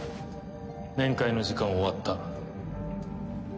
面会の時間は終わった。